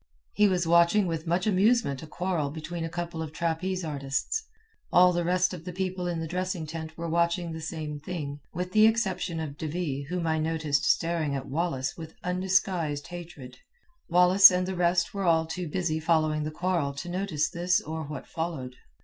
He was watching with much amusement a quarrel between a couple of trapeze artists. All the rest of the people in the dressing tent were watching the same thing, with the exception of De Ville whom I noticed staring at Wallace with undisguised hatred. Wallace and the rest were all too busy following the quarrel to notice this or what followed.